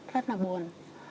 rất là buồn